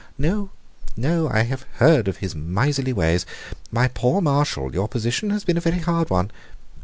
"No, no, I have heard of his miserly ways. My poor Marshall, your position has been a very hard one.